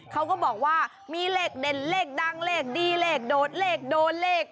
เขาก็บอกว่ามีเลขเด่นเลขดังเลขดีเลขโดดเลขโดนเลข